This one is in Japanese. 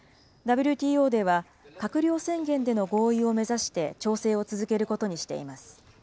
ＷＴＯでは、閣僚宣言での合意を目指して調整を続けることにしています。